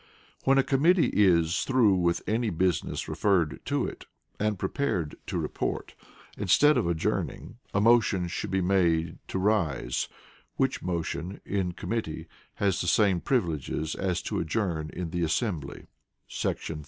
When a committee is through with any business referred to it, and prepared to report, instead of adjourning, a motion should be made "to rise," which motion, in committee, has the same privileges as to adjourn in the assembly [§ 32].